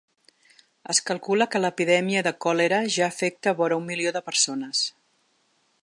Es calcula que l’epidèmia de còlera ja afecta vora un milió de persones.